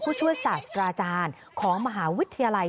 ผู้ช่วยศาสตราอาจารย์ของมหาวิทยาลัย